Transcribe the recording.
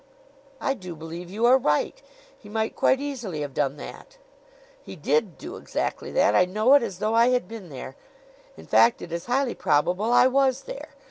"I do believe you are right. He might quite easily have done that." "He did do exactly that. I know it as though I had been there; in fact, it is highly probable I was there.